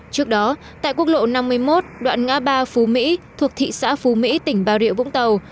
trước đó tại quốc lộ năm mươi một đoạn ngã ba phú mỹ thuộc thị xã phú mỹ tỉnh bà rịa vũng tàu